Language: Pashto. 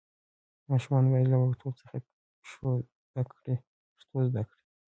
ماشومان باید له وړکتوب څخه پښتو زده کړي.